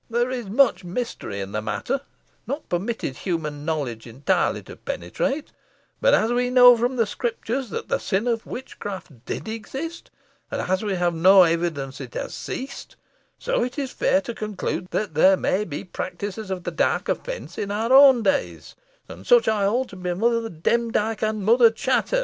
There is much mystery in the matter, not permitted human knowledge entirely to penetrate; but, as we know from the Scriptures that the sin of witchcraft did exist, and as we have no evidence that it has ceased, so it is fair to conclude, that there may be practisers of the dark offence in our own days, and such I hold to be Mother Demdike and Mother Chattox.